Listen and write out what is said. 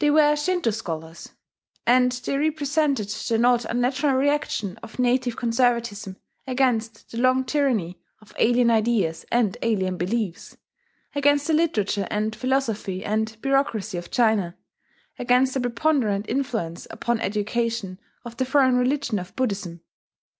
They were Shinto scholars; and they represented the not unnatural reaction of native conservatism against the long tyranny of alien ideas and alien beliefs, against the literature and philosophy and bureaucracy of China, against the preponderant influence upon education of the foreign religion of Buddhism.